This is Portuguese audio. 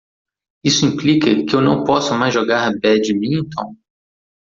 Isso implica que eu não posso mais jogar badminton?